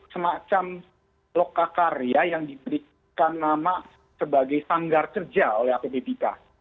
semacam lokakarya yang diberikan nama sebagai sanggar kerja oleh app bipa